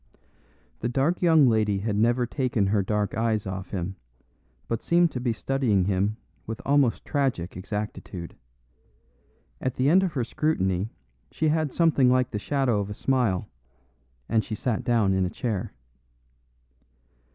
The dark young lady had never taken her dark eyes off him, but seemed to be studying him with almost tragic exactitude. At the end of her scrutiny she had something like the shadow of a smile, and she sat down in a chair.